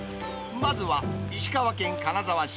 まずは、石川県金沢市。